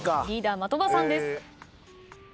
リーダー的場さんです。